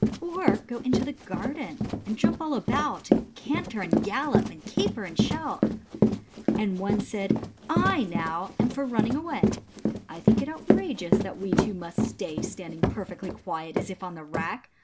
Or go into the garden, and jump all about. And canter and gallop, and caper and shout ? And one said, "/, now, am for running away, I think it outrageous, that we two must stay Standing perfectly quiet, as if on the rack.